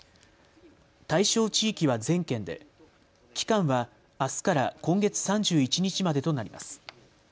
対象地域は全県で期間はあすから今月３１日までとなります。